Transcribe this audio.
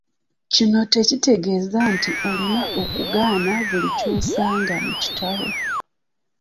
Kino tekitegeeza nti olina kugaana buli ky'osanga mu kitabo.